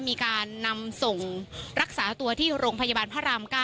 มีการนำส่งรักษาตัวที่โรงพยาบาลพระราม๙